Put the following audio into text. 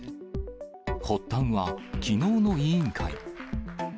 発端は、きのうの委員会。